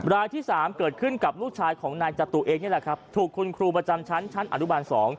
รายที่๓เกิดขึ้นกับลูกชายของนายจตุเองนี่แหละครับถูกคุณครูประจำชั้นชั้นอนุบาล๒